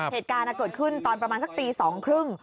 เหตุการณ์เกิดขึ้นตอนประมาณสักตี๒๓๐